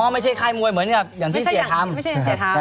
ไม่ใช่ไข้หมวยที่เสียท้ำ